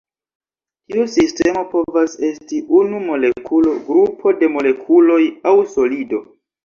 Tiu sistemo povas esti unu molekulo, grupo de molekuloj aŭ solido.